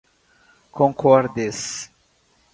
concordes